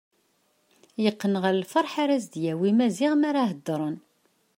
Yeqqen ɣer lferḥ ara s-d-yawi Maziɣ mi ara heddren.